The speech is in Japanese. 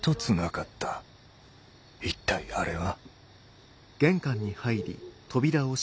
一体あれは。